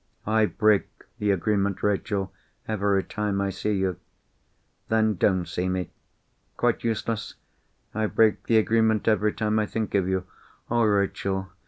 "I break the agreement, Rachel, every time I see you." "Then don't see me." "Quite useless! I break the agreement every time I think of you. Oh, Rachel!